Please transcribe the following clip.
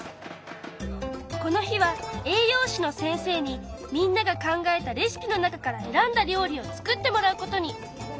この日は栄養士の先生にみんなが考えたレシピの中から選んだ料理を作ってもらうことに！